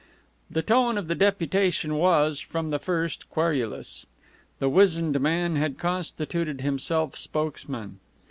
The tone of the deputation was, from the first, querulous. The wizened man had constituted himself spokesman.